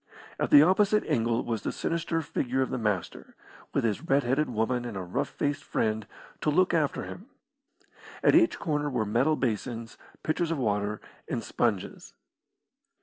At the opposite angle was the sinister figure of the Master, with his red headed woman and a rough faced friend to look after him. At each corner were metal basins, pitchers of water, and sponges.